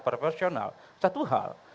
profesional satu hal